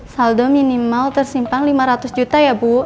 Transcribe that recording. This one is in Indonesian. saldo minimal tersimpan lima ratus juta ya bu